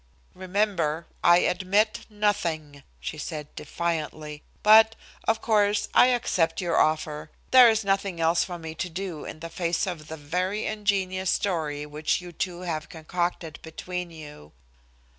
"Remember, I admit nothing," she said defiantly, "but, of course, I accept your offer. There is nothing else for me to do in the face of the very ingenious story which you two have concocted between you."